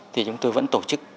thì chúng tôi vẫn tổ chức